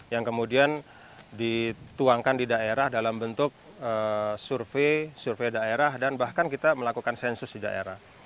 yang kemudian dituangkan di daerah dalam bentuk survei survei daerah dan bahkan kita melakukan sensus di daerah